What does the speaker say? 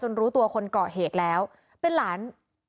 รู้ตัวคนเกาะเหตุแล้วเป็นหลาน